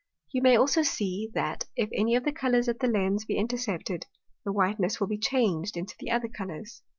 You may also see, that, if any of the Colours at the Lens be intercepted, the whiteness will be changed into the other Colours.